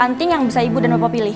anting yang bisa ibu dan bapak pilih